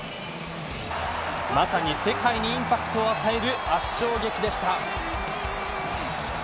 まさに、世界にインパクトを与える圧勝劇でした。